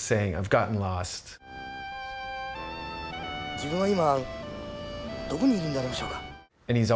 自分は今どこにいるんでありましょうか？